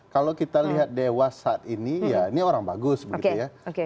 kalau kita lihat dewas saat ini ya ini orang bagus begitu ya